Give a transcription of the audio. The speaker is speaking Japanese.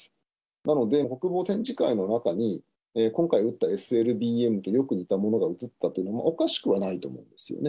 なので、国防展示会の中に、今回撃ったＳＬＢＭとよく似たものが映ったというのは、おかしくはないと思うんですよね。